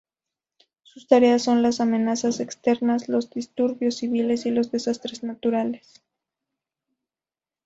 Sus tareas son las amenazas externas, los disturbios civiles y los desastres naturales.